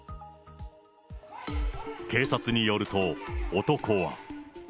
警察によると、男は。